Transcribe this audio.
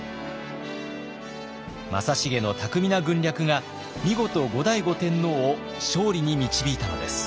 正成の巧みな軍略が見事後醍醐天皇を勝利に導いたのです。